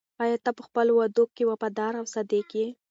آیا ته په خپلو وعدو کې وفادار او صادق یې؟